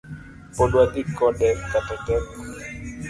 Pod wadhi kode kata tek